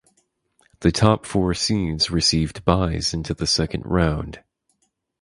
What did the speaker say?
The top four seeds received byes into the second round.